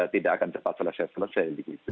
tidak akan cepat selesai selesai